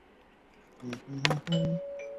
瑞士联赛杯是瑞士一项足球杯赛。